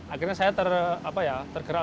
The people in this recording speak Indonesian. akhirnya saya tergerak untuk membuka barang